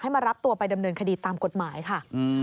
มารับตัวไปดำเนินคดีตามกฎหมายค่ะ